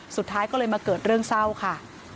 สุดท้ายก็เลยมาเกิดเรื่องเศร้าค่ะ